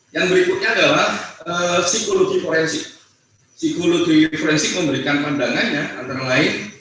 yang berikutnya adalah psikologi forensik psikologi forensik memberikan pandangannya antara lain